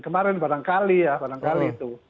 kemarin barangkali ya barangkali itu